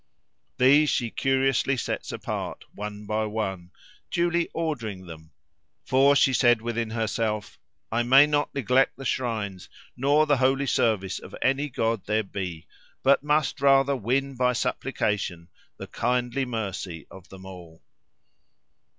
These she curiously sets apart, one by one, duly ordering them; for she said within herself, "I may not neglect the shrines, nor the holy service, of any god there be, but must rather win by supplication the kindly mercy of them all."